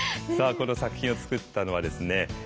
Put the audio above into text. さあこの作品を作ったのはですね